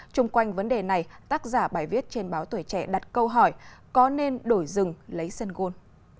trung quanh vấn đề này tác giả bài viết trên báo tuổi trẻ đặt câu hỏi có nên đổi rừng lấy sân gôn